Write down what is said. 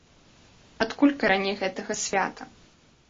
Адкуль карані гэтага свята?